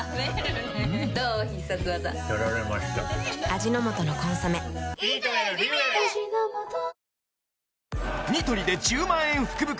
味の素の「コンソメ」ニトリで１０万円福袋